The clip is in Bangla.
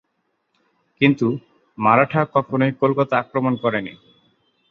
কিন্তু মারাঠারা কখনই কলকাতা আক্রমণ করেনি।